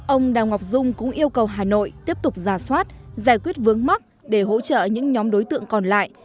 ông đào ngọc dung cũng yêu cầu hà nội tiếp tục giả soát giải quyết vướng mắc để hỗ trợ những nhóm đối tượng còn lại